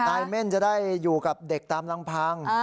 นายเม่นจะได้อยู่กับเด็กตามลำพัง